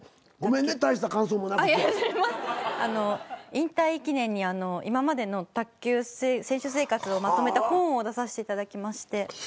引退記念に今までの卓球選手生活をまとめた本を出させていただきまして。